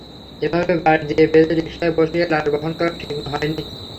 এভাবে বাঁশ দিয়ে বেঁধে রিকশায় বসিয়ে লাশ বহন করা ঠিক হয়নি।